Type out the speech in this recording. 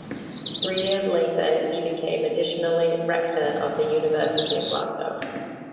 Three years later, he became additionally Rector of the University of Glasgow.